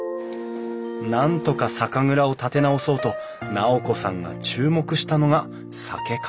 なんとか酒蔵を立て直そうと尚子さんが注目したのが酒かすだった。